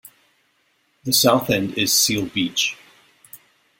The South end is Seal Beach.